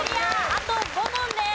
あと５問です。